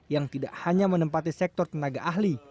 yang tidak hanya menempati sektor tenaga ahli